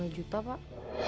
lima juta pak